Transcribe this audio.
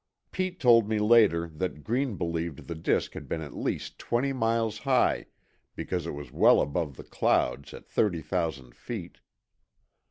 Pete told me later that Green believed the disk had been at least twenty miles high, because it was well above clouds at thirty thousand feet.